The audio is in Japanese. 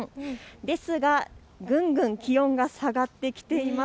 ですが、ぐんぐん気温が下がってきています。